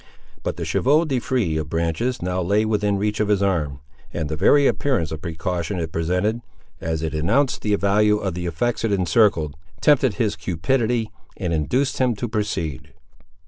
But the chevaux de frise of branches now lay within reach of his arm, and the very appearance of precaution it presented, as it announced the value of the effects it encircled, tempted his cupidity, and induced him to proceed.